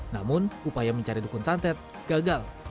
namun upaya mencari dukun santet gagal